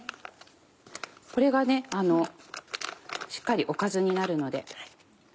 これがしっかりおかずになるので。